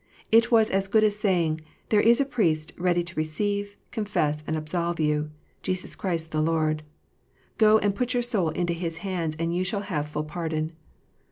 It was as good as saying, "There is a Priest ready to receive, confess, and absolve you : Jesus Christ the Lord. Go and put your soul into His hands, and you shall have full pardon."